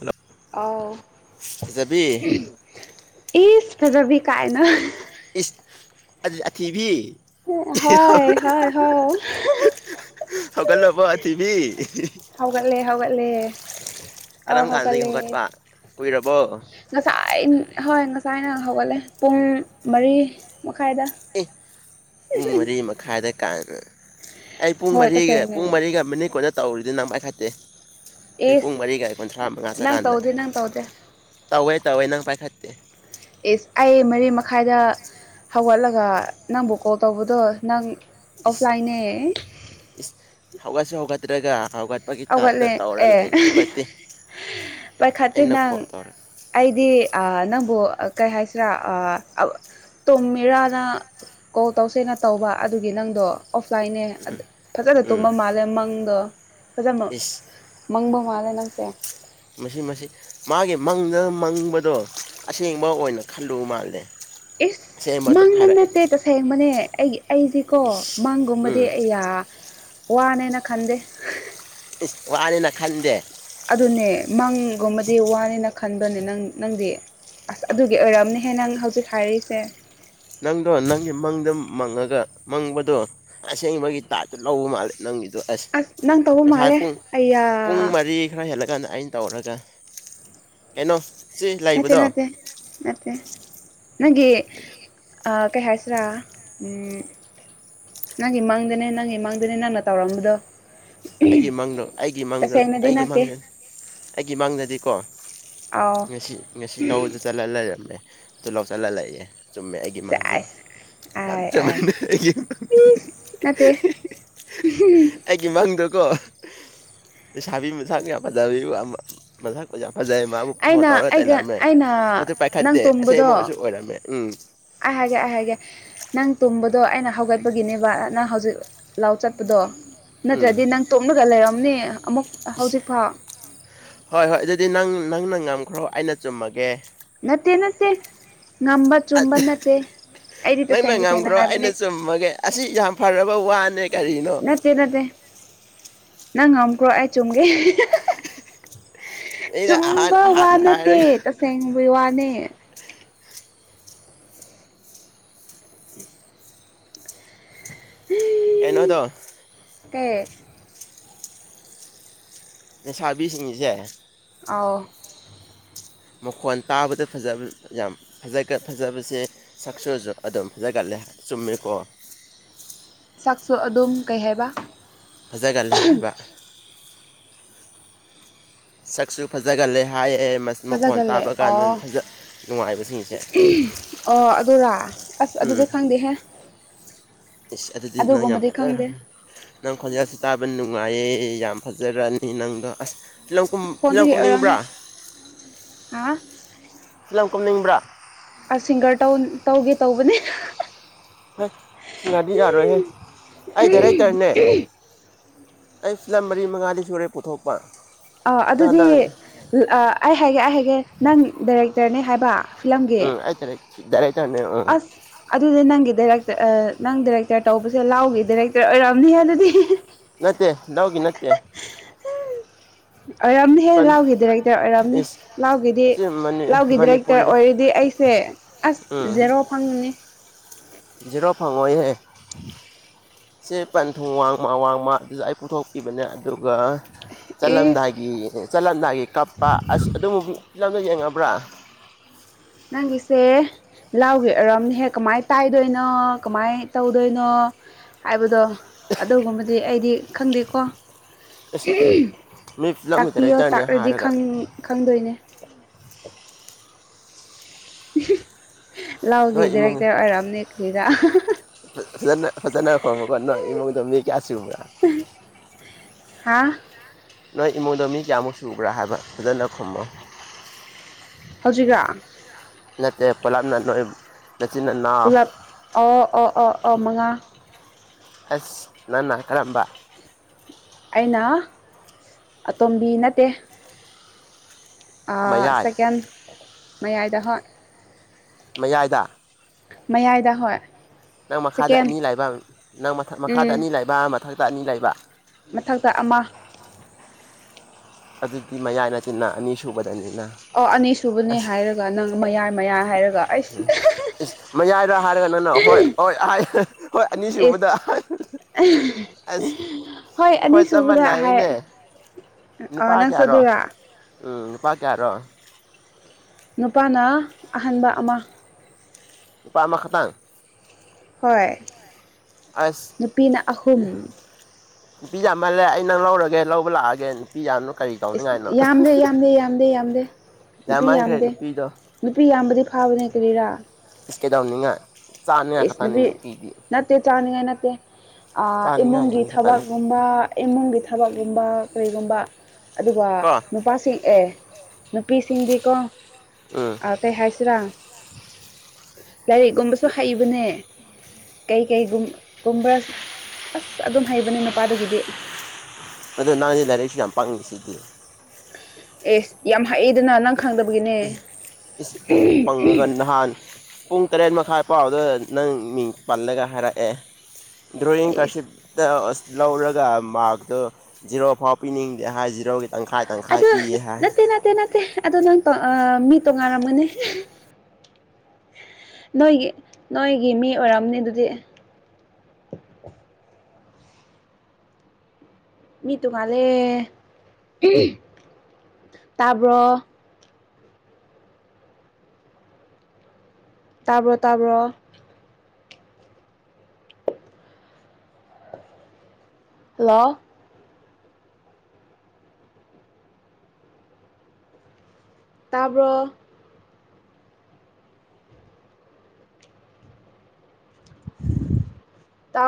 hello ꯑꯥꯎ ꯐꯖꯕꯤ ꯏꯁ ꯐꯖꯕꯤ ꯀꯥꯏꯅ ꯑꯊꯤꯚ ꯍ ꯍ ꯍꯣꯏ ꯍ ꯀꯜꯂꯣꯕ ꯊꯤꯕꯤ ꯍꯧꯒꯠꯂꯦ ꯍꯧꯒꯠꯂꯦ ꯑ ꯀꯔꯝ ꯀꯥꯟꯗꯒꯤ ꯍꯧꯒꯠꯂꯦ ꯍꯧꯒꯠꯄ ꯀꯨꯏꯔꯕꯣ ꯉꯁꯥꯏ ꯍꯣꯏ ꯉꯁꯥꯏ ꯑꯅ ꯍꯧꯒꯠꯂꯦ ꯄꯨꯡ ꯃꯔꯤ ꯃꯈꯥꯏꯗ ꯑꯦ ꯄꯨꯡ ꯃꯔꯤ ꯃꯈꯥꯏꯗ ꯀꯥꯏꯅ ꯑꯩ ꯄꯨꯡ ꯍꯣꯏ ꯃꯔꯤꯒ ꯇꯁꯦꯡꯅꯦ ꯄꯨꯡ ꯃꯔꯤꯒ ꯃꯤꯅꯤꯠ ꯀꯣꯟꯅ ꯇꯧꯔꯨꯔꯤꯗꯤ ꯅꯪꯃꯥꯏꯈꯠꯇꯦ ꯑꯩ ꯄꯨꯡ ꯑꯦꯁ ꯃꯔꯤꯒ ꯀꯨꯟꯊ꯭ꯔꯥ ꯃꯉꯥ ꯅꯪ ꯆꯀꯥꯟꯗ ꯇꯧꯗꯦ ꯅꯪ ꯇꯧꯗꯦ ꯇꯋꯥꯣꯏ ꯇꯧꯋꯥꯣꯏꯅꯥꯪ ꯄꯥꯏ ꯈꯠꯇꯠꯇꯦ ꯑꯦ ꯑꯩ ꯃꯔꯤ ꯃꯈꯥꯏꯗ ꯍꯧꯒꯠꯂꯒ ꯅꯪꯕꯨ ꯀꯣꯜ ꯇꯧꯕꯗꯣ ꯅꯪ ꯏꯁ ꯑꯣꯐꯂꯥꯏꯅꯦ ꯏꯁ ꯍꯧꯒꯠꯁꯤ ꯍꯧꯒꯠꯇ꯭ꯔꯒ ꯍꯧꯒꯠ ꯑꯧꯒꯠꯂꯦ ꯑꯦ ꯄꯥꯏꯈꯥꯗ ꯑꯩꯅ ꯅꯪ ꯀꯣꯜ ꯇꯧꯔ ꯑꯩꯗꯤ ꯑ ꯅꯪꯕꯨ ꯀꯩ ꯍꯥꯏꯁꯤꯔꯥ ꯑ ꯇꯣꯝꯃꯤꯔꯥꯅ ꯀꯣꯜ ꯇꯧꯁꯦꯅ ꯇꯧꯕ ꯑꯗꯨꯒꯤ ꯅꯪꯗꯣ ꯑꯣꯐꯂꯥꯏꯟꯅꯦ ꯐꯖꯅ ꯎꯝ ꯇꯨꯝꯕ ꯃꯥꯜꯂꯦ ꯃꯪꯗꯣ ꯐꯖꯅ ꯏꯁ ꯃꯪꯕ ꯃꯥꯜꯂꯦ ꯅꯪꯁꯦ ꯃꯁꯤ ꯃꯁꯤ ꯃꯥꯒꯤ ꯃꯪꯗ ꯃꯪꯕꯗꯣ ꯑꯁꯦꯡꯕ ꯑꯣꯏꯅ ꯈꯜꯂꯨ ꯃꯥꯜꯂꯦ ꯏꯁ ꯑꯁꯦꯡꯕ ꯑꯗꯨꯝ ꯃꯪꯗ ꯍꯥꯏꯔꯛꯑꯦ ꯅꯠꯇꯦ ꯇꯁꯦꯡꯕꯅꯦ ꯑꯩꯒꯤ ꯑꯩꯗꯤꯀꯣ ꯏꯁ ꯃꯥꯡꯒꯨꯝꯕꯗꯤ ꯎꯝ ꯑꯩꯌꯥ ꯋꯥ ꯋꯥꯅꯦꯅ ꯈꯟꯗ ꯏꯁ ꯋꯥꯅꯤꯅ ꯈꯟꯗꯦ ꯑꯗꯨꯅꯦ ꯃꯪꯒꯨꯝꯕꯗꯤ ꯏꯁ ꯋꯥꯅꯤꯅ ꯈꯟꯕ꯭ꯔꯅꯦ ꯅꯪ ꯅꯪꯗꯤ ꯑꯁ ꯑꯗꯨꯒꯤ ꯑꯣꯏꯔꯝꯅꯦꯍꯦ ꯅꯪ ꯍꯧꯖꯤꯛ ꯍꯥꯏꯔꯤꯁꯦ ꯅꯪꯗꯣ ꯅꯪꯒꯤ ꯃꯪꯗ ꯃꯪꯉꯒ ꯃꯪꯕꯗꯣ ꯑꯁꯦꯡꯕꯒꯤ ꯇꯥꯠꯇꯨ ꯂꯧꯕ ꯃꯥꯜꯂꯦ ꯅꯪꯒꯤꯗꯣ ꯑꯁ ꯅꯪ ꯇꯧꯕ ꯉꯁꯥꯏ ꯃꯥꯜꯂꯦ ꯄꯨꯡ ꯑꯩꯌꯥ ꯄꯨꯡ ꯃꯔꯤ ꯈꯔ ꯍꯦꯜꯂꯒ ꯀꯅ ꯑꯩꯅ ꯇꯧꯔꯒ ꯀꯩꯅꯣ ꯁꯤ ꯅꯠꯇꯦ ꯂꯩꯕꯗꯣ ꯅꯠꯇꯦ ꯅꯠꯇꯦ ꯅꯪꯒꯤ ꯑ ꯀꯩ ꯍꯥꯏꯁꯤꯔꯥ ꯅꯪꯒꯤ ꯃꯥꯡꯗꯅꯦ ꯅꯪꯒꯤ ꯃꯥꯡꯗꯅꯦ ꯅꯪꯅ ꯇꯧꯔꯝꯕꯗꯣ ꯑꯩꯒꯤ ꯃꯥꯡꯗ ꯑꯩꯒꯤ ꯃꯥꯡꯗ ꯇꯁꯦꯡꯅꯗꯤ ꯑꯩꯒꯤ ꯅꯠꯇꯦ ꯃꯥꯡꯗꯅꯦ ꯑꯩꯒꯤ ꯃꯥꯡꯗꯗꯤꯀꯣ ꯑꯥꯎ ꯉꯁꯤ ꯉꯁꯤ ꯂꯧ ꯆꯜꯂ ꯂꯩꯔꯝꯃꯦ ꯑꯗꯨ ꯂꯧ ꯆꯜꯍꯜꯂꯑꯦ ꯆꯨꯝꯃꯦ ꯑꯩꯒꯤ ꯃꯥꯡꯗꯤ ꯁꯦꯁ ꯌꯥꯝ ꯆꯨꯝꯥꯏꯅ ꯑꯩꯒꯤ ꯄ ꯅꯠꯇꯦ ꯑꯩꯒꯤ ꯃꯪꯗꯀꯣ ꯂꯩꯁꯥꯕꯤ ꯃꯁꯥꯛ ꯌꯥꯝ ꯐꯖꯕꯤꯕ ꯃꯁꯥꯛ ꯑꯣꯖꯥ ꯐꯖꯩ ꯃꯥꯕꯨ ꯐꯣꯟ ꯑꯩꯅ ꯇꯧꯔꯒ ꯑꯩꯒ ꯇꯩꯂꯛꯑꯝꯃꯦ ꯑꯩꯅ ꯃꯗꯨ ꯅꯪ ꯄꯥꯏꯈꯠꯇꯦ ꯑꯁꯦꯡꯕ ꯑꯣꯏꯁꯨ ꯑꯣꯏꯔꯝꯃꯦ ꯎꯝ ꯑꯍꯒꯦ ꯍꯥꯏꯒꯦ ꯅꯪ ꯇꯨꯝꯕꯗꯣ ꯑꯩꯅ ꯍꯧꯒꯠꯄꯒꯤꯅꯦꯕ ꯅꯪ ꯍꯧꯖꯤꯛ ꯂꯥꯎ ꯆꯠꯄꯗꯣ ꯎꯝ ꯅꯠꯇ꯭ꯔꯗꯤ ꯅꯪ ꯇꯣꯛꯂꯒ ꯂꯩꯔꯝꯅꯦ ꯑꯃꯨꯛ ꯏꯁ ꯍꯧꯖꯤꯛ ꯐꯥꯎ ꯍꯣꯏ ꯍꯣꯏ ꯑꯗꯨꯗꯤ ꯅꯪ ꯅꯪꯅ ꯉꯝꯈ꯭ꯔꯣ ꯑꯩꯅ ꯆꯨꯝꯃꯒꯦ ꯅꯠꯇꯦ ꯅꯠꯇꯦ ꯉꯝꯕ ꯆꯨꯝꯕ ꯅꯠꯇꯦ ꯑꯩꯗꯤ ꯅꯪꯅ ꯇꯁꯦꯡ ꯇꯁꯦꯡꯅ ꯉꯝꯈ꯭ꯔꯣ ꯍꯥꯏꯕꯅꯦ ꯑꯩꯅ ꯆꯨꯝꯃꯒꯦ ꯑꯁꯤ ꯌꯥꯝ ꯐꯔꯕ ꯋꯥꯅꯦ ꯀꯔꯤꯅꯣ ꯅꯠꯇꯦ ꯅꯠꯇꯦ ꯅꯪ ꯉꯝꯈ꯭ꯔꯣ ꯑꯩ ꯆꯨꯝꯒꯦ ꯑꯩꯅ ꯑꯍꯥꯟ ꯆꯨꯝꯕ ꯋꯥ ꯍꯥꯟꯅ ꯅꯠꯇꯦ ꯍꯥꯏꯔꯒ ꯇꯁꯦꯡꯕꯒꯤ ꯋꯥꯅꯦ ꯀꯩꯅꯣꯗꯣ ꯀꯩ ꯅꯁꯥꯕꯤꯁꯤꯡꯁꯦ ꯑꯥꯎ ꯃꯈꯣꯟ ꯇꯥꯕꯗ ꯐꯖꯕ ꯌꯥꯝꯖ ꯐꯖꯕꯁꯦ ꯆꯛꯁꯨꯁꯨ ꯑꯗꯨꯝ ꯐꯖꯒꯠꯂꯦ ꯆꯨꯝꯃꯦꯀꯣ ꯁꯥꯛꯁꯨ ꯑꯗꯨꯝ ꯀꯩ ꯍꯥꯏꯕ ꯐꯖꯒꯜꯂꯦ ꯍꯥꯏꯕ ꯁꯛꯁꯨ ꯐꯖꯒꯜꯂꯦ ꯍꯥꯏꯑ ꯐꯖꯒꯜꯂꯦ ꯑꯣ ꯅꯨꯡꯉꯥꯏꯕꯁꯤꯡꯁꯦ ꯑꯣ ꯑꯗꯨꯔ ꯑꯁ ꯑꯗꯨꯗꯤ ꯎꯝ ꯈꯪꯗꯦ ꯍꯦ ꯏꯁ ꯑꯗꯨꯗꯤ ꯅꯪ ꯌꯥꯝ ꯑꯗꯨꯒꯨꯝꯕꯗꯤ ꯐꯖꯈ꯭ꯔ ꯅꯪ ꯈꯣꯟꯖꯦꯜꯁꯤ ꯇꯥꯕ ꯅꯨꯡꯉꯥꯏꯌꯦ ꯌꯥꯝ ꯐꯖꯔꯛꯑꯅꯤ ꯅꯪꯗꯣ ꯑꯁ ꯐꯤꯂꯝ ꯀꯨꯝ ꯑꯁ ꯐꯤꯂꯝ ꯐꯣꯟꯗꯒꯤ ꯑꯣꯏꯔꯝꯅꯤ ꯀꯨꯝꯅꯤꯡꯕ꯭ꯔꯥ ꯍꯥ ꯐꯤꯂꯝ ꯀꯨꯝꯅꯤꯡꯕ꯭ꯔꯥ ꯑꯁ ꯁꯤꯡꯒꯔ ꯇꯧꯒꯦ ꯇꯧꯕꯅꯦ ꯍ ꯁꯤꯡꯒꯥꯔꯗꯤ ꯌꯥꯔꯣꯏꯍꯦ ꯑꯩ ꯗꯔꯦꯛꯇꯔꯅꯦ ꯑꯩ ꯐꯤꯂꯝ ꯃꯔꯤ ꯃꯉꯥꯗꯤ ꯁꯨꯔꯦ ꯄꯨꯊꯣꯛꯄ ꯑ ꯑꯗꯣ ꯑꯗꯨꯗꯤ ꯍꯟꯗꯛ ꯑꯩ ꯍꯥꯏꯒꯦ ꯑꯩ ꯍꯥꯏꯒꯦ ꯅꯪ ꯗꯥꯏꯔꯦꯛꯇꯔꯅꯦ ꯍꯥꯏꯕ ꯐꯤꯂꯝꯒꯤ ꯗꯔꯛꯇꯔꯅꯦ ꯑ ꯑꯁ ꯑꯗꯨꯗꯤ ꯅꯪꯒꯤ ꯗꯥꯏꯔꯦꯛꯇꯔ ꯅꯪ ꯗꯥꯏꯔꯦꯛꯇꯔ ꯇꯧꯕꯁꯦ ꯂꯥꯎꯒꯤ ꯗꯥꯏꯔꯦꯛꯇꯔ ꯑꯣꯏꯔꯝꯅꯤꯍꯦ ꯑꯗꯨꯗꯤ ꯅꯠꯇꯦ ꯂꯎꯒꯤ ꯅꯠꯇꯦ ꯑꯣꯏꯔꯝꯅꯦꯍꯦ ꯄꯟ ꯂꯥꯎꯒꯤ ꯗꯥꯏꯔꯦꯛꯇꯔ ꯑꯣꯏꯔꯝꯅꯦ ꯏꯁ ꯂꯥꯎꯒꯤꯗꯤ ꯁꯤ ꯃꯅꯤ ꯂꯥꯎꯒꯤ ꯗꯥꯏꯔꯦꯛꯇꯔ ꯃꯅꯤꯄꯨꯔꯤ ꯑꯣꯏꯔꯗꯤ ꯑꯩꯁꯦ ꯑꯁ ꯄꯥꯎ ꯐꯪꯅꯤ ꯖꯤꯔꯣ ꯐꯪꯑꯣꯏꯍꯦ ꯁꯦ ꯄꯟꯊꯨꯡ ꯋꯥꯡꯃ ꯋꯥꯡꯃ ꯑꯗꯨꯁꯨ ꯑꯩ ꯄꯨꯊꯣꯛꯈꯤꯕꯅꯦ ꯑꯗꯨꯒ ꯏꯁ ꯆꯠꯂꯝꯗꯥꯏꯒꯤ ꯆꯠꯂꯝꯗꯥꯏꯒꯤ ꯀꯞꯄ ꯑꯁ ꯑꯗꯨꯝ ꯐꯤꯂꯝꯗꯣ ꯌꯦꯡꯉꯕ꯭ꯔꯥ ꯅꯪꯒꯤꯁꯦ ꯂꯥꯎꯒꯦ ꯑꯔꯣꯝꯅꯍꯦꯛ ꯀꯃꯥꯏ ꯇꯥꯏꯗꯣꯏꯅꯣ ꯀꯃꯥꯏ ꯇꯧꯗꯣꯏꯅꯣ ꯍꯥꯏꯕꯗꯣ ꯑꯗꯨꯒꯨꯝꯕꯗꯤ ꯑꯩꯗꯤ ꯈꯪꯗꯦꯀꯣ ꯑꯁ ꯃꯤ ꯐꯤꯂꯝꯒꯤ ꯇꯥꯛꯄꯤꯌꯣ ꯗꯥꯏꯔꯦꯛꯇꯔꯅꯦ ꯇꯥꯛꯂꯗꯤ ꯍꯥꯏꯔꯒ ꯈꯪꯗꯣꯏꯅꯦ ꯎ ꯒꯤ ꯅꯣꯏ ꯏꯃꯨꯡ ꯗꯤꯔꯦꯛꯇꯔ ꯑꯔꯝꯅꯤ ꯀꯔꯤꯔꯥ ꯀ ꯐꯖꯅ ꯐꯖꯅ ꯈꯣꯡꯉꯀꯣ ꯅꯣꯏ ꯏꯃꯨꯡꯗ ꯃꯤ ꯀꯌꯥ ꯁꯨꯕ꯭ꯔꯥ ꯍꯥꯥ ꯅꯣꯏ ꯏꯃꯨꯡꯗ ꯃꯤ ꯀꯌꯥꯃꯨꯛ ꯁꯨꯕ꯭ꯔꯥ ꯍꯥꯏꯕ ꯐꯖꯅ ꯈꯨꯝꯃꯣ ꯍꯧꯖꯤꯛꯔꯣ [unintelligible] ꯄꯨꯂꯞ ꯑꯣ ꯑꯣ ꯑꯣ ꯑꯣ ꯃꯉꯥ ꯑꯁ ꯅꯪꯅ ꯀꯔꯝꯕ ꯑꯩꯅ ꯑꯇꯣꯝꯕꯤ ꯅꯠꯇꯦ ꯃꯌꯥꯏ ꯁꯦꯀꯦꯟ ꯃꯌꯥꯏꯗ ꯍꯣꯏ ꯃꯌꯥꯏꯗ ꯃꯌꯥꯏꯗ ꯍꯣꯏ ꯅꯪ ꯃꯈꯥꯗ ꯁꯦꯀꯦꯟ ꯑꯅꯤ ꯂꯩꯕ ꯅꯪ ꯃꯊꯛ ꯃꯈꯥꯗ ꯎꯝ ꯑꯅꯤ ꯂꯩꯕ ꯃꯊꯛꯇ ꯑꯅꯤ ꯂꯩꯕ ꯃꯊꯛꯇ ꯑꯃ ꯑꯗꯨꯗꯤ ꯃꯌꯥꯏ ꯗꯅꯤꯅꯥ ꯅꯥ ꯑꯅꯤ ꯁꯨꯕꯗꯅꯤꯅ ꯑꯣ ꯑꯅꯤꯁꯨꯕꯅꯦ ꯍꯥꯏꯔꯒ ꯅꯪ ꯃꯌꯥꯏ ꯃꯌꯥꯏ ꯍꯥꯏꯔꯒ ꯎꯝ ꯑꯩꯁ ꯏꯁ ꯃꯌꯥꯏꯔꯣ ꯍꯥꯏꯔꯒꯅꯅ ꯍꯣꯏ ꯍꯣꯏ ꯍꯣꯏ ꯑꯦꯁ ꯑꯅꯤꯁꯨꯕꯗ [unintelligible] ꯑꯁ ꯍꯣꯏ ꯑꯩꯈꯣꯏ ꯆꯞ ꯑꯅꯤꯁꯨꯕꯗ ꯍꯥꯏ ꯃꯥꯟꯅꯩꯅꯦ ꯑ ꯅꯨꯄꯥ ꯅꯪꯁꯨ ꯀꯌꯥꯔꯣ ꯑꯗꯨꯔꯥ ꯎꯝ ꯅꯨꯄꯥ ꯀꯌꯥꯔꯣ ꯅꯨꯄꯥꯅ ꯑꯍꯟꯕ ꯑꯃ ꯅꯨꯄꯥ ꯑꯃꯥꯈꯥꯇꯪ ꯍꯣꯏ ꯑꯁ ꯅꯨꯄꯤꯅ ꯑꯍꯨꯝ ꯄꯤ ꯌꯥꯝꯃꯥꯜꯂꯦ ꯑꯩ ꯅꯪ ꯂꯧꯔꯒꯦ ꯂꯧꯕ ꯂꯥꯛꯑꯒꯦ [unintelligible] ꯏꯁ ꯌꯥꯝꯗꯦ ꯌꯥꯝꯗꯦ ꯌꯥꯝꯗꯦ ꯌꯥꯝꯗꯦ ꯅꯨꯄꯤ ꯌꯥꯝꯃꯟꯈ꯭ꯔꯦ ꯌꯥꯝꯗꯦ ꯅꯨꯄꯤꯗꯣ ꯅꯨꯄꯤ ꯌꯥꯝꯕꯗꯤ ꯐꯥꯕꯅꯦ ꯀꯔꯤꯔꯥ ꯏꯁ ꯀꯩꯗꯧꯅꯤꯉꯥꯏ ꯏꯁ ꯅꯨꯄꯤ ꯅꯠꯇꯦ ꯆꯥꯅꯤꯡꯉꯥꯏ ꯅꯠꯇꯦ ꯏꯃꯨꯡꯒꯤ ꯆꯥꯅꯤꯡꯉꯥꯏꯅꯤ ꯈꯛꯇꯅꯤ ꯊꯕꯛꯒꯨꯝꯕ ꯏꯃꯨꯡꯒꯤ ꯊꯕꯛꯀꯨꯝꯕ ꯀꯩꯒꯨꯝꯕ ꯑꯗꯨꯒ ꯀꯣ ꯅꯨꯄꯥꯁꯤꯡ ꯑꯦ ꯅꯨꯄꯤꯁꯤꯡꯗꯤꯀꯣ ꯎꯝ ꯀꯩ ꯍꯥꯏꯁꯤꯔꯥ ꯂꯥꯏꯔꯤꯛꯀꯨꯝꯕꯁꯨ ꯍꯛꯏꯕꯅꯦ ꯀꯩ ꯀꯩꯒꯨꯝꯒꯨꯝꯕ꯭ꯔ ꯑꯁ ꯑꯗꯨꯝ ꯍꯩꯕꯅꯦ ꯅꯨꯄꯥꯗꯒꯤꯗꯤ ꯑꯗꯨ ꯅꯪꯗꯤ ꯂꯥꯏꯔꯛꯁꯨ ꯌꯥꯝ ꯄꯥꯡꯂꯤꯁꯤꯗꯤ ꯑꯦꯁ ꯌꯥꯝ ꯍꯩꯗꯅ ꯅꯪ ꯈꯪꯗꯕꯒꯤꯅꯦ ꯌꯥꯝ ꯄꯪꯉꯒ ꯅꯍꯥꯟ ꯄꯨꯡ ꯇꯔꯦꯠ ꯃꯈꯥꯏ ꯄꯥꯎꯗ ꯅꯪ ꯃꯤꯡ ꯄꯜꯂꯒ ꯍꯥꯏꯔꯛꯑꯦ ꯑꯩꯁ [unintelligible] ꯂꯧꯔꯒ ꯃꯥꯔꯛꯇꯨ ꯖꯤꯔꯣꯐꯥꯎ ꯄꯤꯅꯤꯡꯗꯦ ꯍꯥꯏ ꯖꯤꯔꯣꯒꯤ ꯇꯪꯈꯥꯏ ꯇꯪꯈꯥꯏ ꯑꯗꯨ ꯄꯤꯌꯦ ꯍꯥꯏ ꯅꯠꯇꯦ ꯅꯠꯇꯦ ꯅꯠꯇꯦ ꯑꯗꯣ ꯅꯪ ꯃꯤ ꯇꯣꯉꯟꯔꯝꯒꯅꯦ ꯅꯣꯏꯒꯤ ꯅꯣꯏꯒꯤ ꯃꯤ ꯑꯣꯏꯔꯝꯅꯤ ꯑꯗꯨꯗꯤ ꯃꯤ ꯇꯨꯉꯜꯂꯦ ꯇꯥꯕ꯭ꯔꯣ ꯇꯥꯕ꯭ꯔꯣ ꯇꯥꯕ꯭ꯔꯣ ꯍꯂ‌ꯣ ꯇꯥꯕ꯭ꯔ‌ꯣ ꯇꯥ